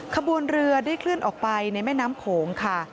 ขบวนเรือได้เคลื่อนออกไปในแม่น้ำโขงค่ะ